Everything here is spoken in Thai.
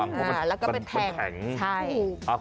อันนี้ต้องระวังมันแผง